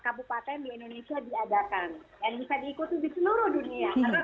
yang bisa diikuti di seluruh dunia karena setiap online